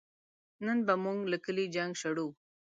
نن به نو مونږ له کلي جنګ شړو